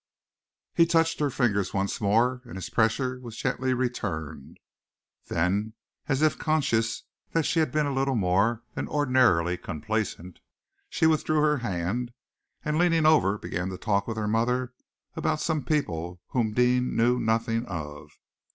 He touched her fingers once more, and his pressure was gently returned. Then, as if conscious that she had been a little more than ordinarily complacent, she withdrew her hand, and leaning over began to talk with her mother about some people whom Deane knew nothing of.